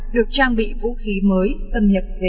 được trang bị vũ khí mới xâm nhập về